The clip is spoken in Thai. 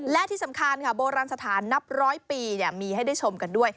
และที่สำคัญค่ะโบราณสถานนับร้อยปีมีให้ได้ชมกันด้วย